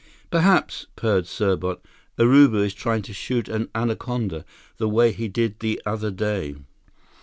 "Perhaps," purred Serbot, "Urubu is trying to shoot an anaconda, the way he did the other day."